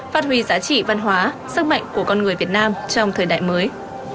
phát huy giá trị văn hóa sức mạnh của con người việt nam trong thời đại mới